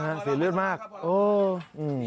สวยสวยสวยสวยสวยสวย